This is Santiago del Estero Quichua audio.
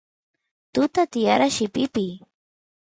tuta tiyara llipipiy